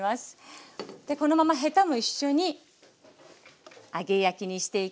このままヘタも一緒に揚げ焼きにしていきます。